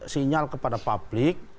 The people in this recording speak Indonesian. sinyal kepada publik